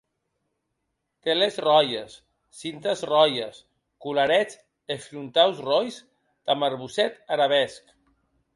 Teles ròies, cintes ròies, colarets e frontaus ròis damb arbocet arabesc.